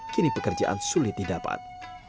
kini pekerjaan sulit didapat